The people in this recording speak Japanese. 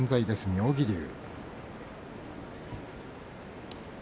妙義龍。